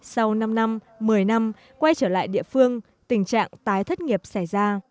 sau năm năm một mươi năm quay trở lại địa phương tình trạng tái thất nghiệp xảy ra